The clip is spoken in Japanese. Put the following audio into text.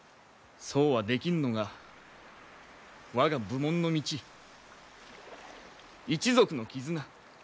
そうはできぬのが我が武門の道一族の絆。